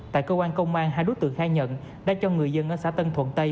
tại cơ quan công an hai đối tượng khai nhận đã cho người dân ở xã tân thuận tây